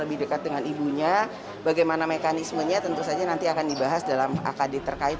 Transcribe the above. berdekat dengan ibunya bagaimana mekanismenya tentu saja nanti akan dibahas dalam akadit terkait